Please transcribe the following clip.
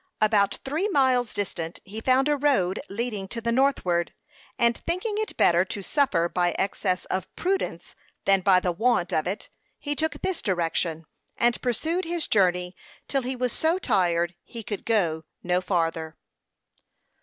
About three miles distant, he found a road leading to the northward; and thinking it better to suffer by excess of prudence than by the want of it, he took this direction, and pursued his journey till he was so tired he could go no farther.